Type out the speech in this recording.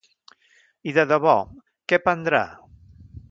I de debò, què prendrà?